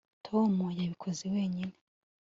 Tom yabikoze wenyine